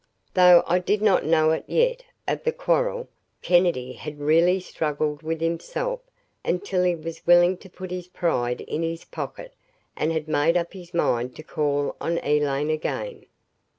Though I did not know, yet, of the quarrel, Kennedy had really struggled with himself until he was willing to put his pride in his pocket and had made up his mind to call on Elaine again.